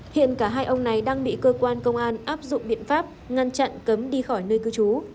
hiện cả hai ông này đang bị cơ quan công an áp dụng biện pháp ngăn chặn cấm đi khỏi nơi cư trú